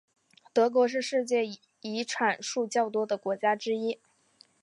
德国是世界遗产数较多的国家之一。